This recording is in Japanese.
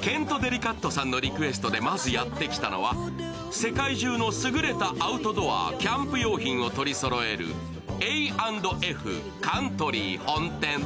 ケント・デリカットさんのリクエストでまずやってきたのは世界中の優れたアウトドア、キャンプ用品を取りそろえるＡ＆Ｆカントリー本店。